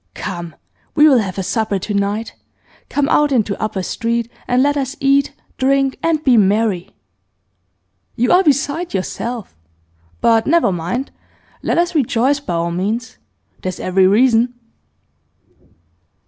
Come, we will have a supper to night. Come out into Upper Street, and let us eat, drink, and be merry!' 'You are beside yourself. But never mind; let us rejoice by all means. There's every reason.